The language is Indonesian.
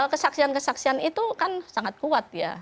kesaksian kesaksian itu kan sangat kuat ya